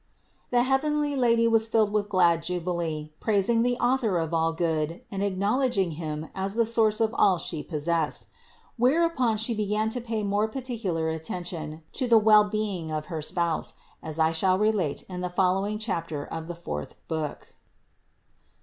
The heavenly Lady was filled with glad jubilee, praising the Author of all good and acknowledging Him as the source of all She possessed. Whereupon She began to pay more particular attention to the well being of her spouse, as I shall relate in the following chapter of the fourth book.